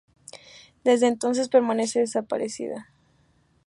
Desde entonces permanece desaparecida.